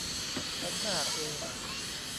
ขันหมากเอก